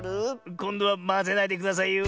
こんどはまぜないでくださいよ。